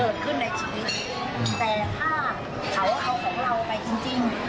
เกิดขึ้นในชีวิตแต่ถ้าเขาเอาของเราไปจริงจริง